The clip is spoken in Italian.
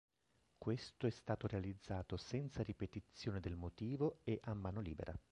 Questo è stato realizzato senza ripetizione del motivo e a mano libera.